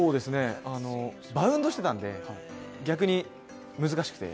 バウンドしていたんで、逆に難しくて、